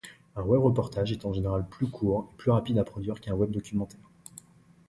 Un webreportage est en général plus court et plus rapide à produire qu'un web-documentaire.